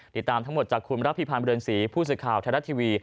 ติดตามทั้งหมดจากคุณรับพิพันธ์เรือนศรีผู้สื่อข่าวไทยรัฐทีวี